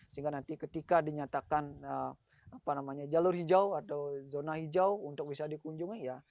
sehingga nanti ketika dinyatakan jalur hijau atau zona hijau untuk bisa dikunjungi ya